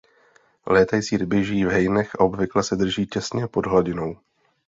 Létající ryby žijí v hejnech a obvykle se drží těsně pod hladinou.